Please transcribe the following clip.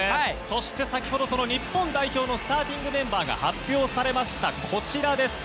そして先ほどその日本代表のスターティングメンバーが発表されました。